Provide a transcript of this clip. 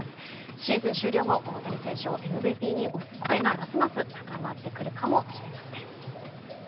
シーズン終了後大谷選手をＭＶＰに推す声がますます高まってくるかもしれません。